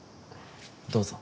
どうぞ。